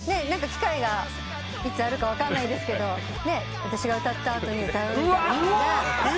機会がいつあるか分かんないですけど私が歌った後に歌うみたいなね。